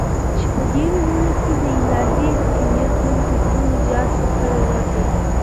چې په دي نومونو كې دالهي حاكميت نوم تر ټولو زيات دقدر وړ دى